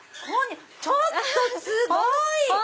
ちょっとすごい！